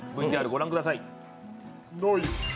ＶＴＲ御覧ください。